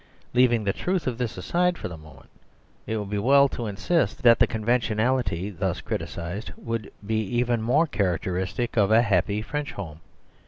Leaving the truth of ^is aside for the moment, it will be well to insist that the conventionality thus criticised would be even more characteristic of a happy French home.